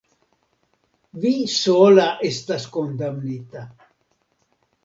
vi sola estas kondamnita!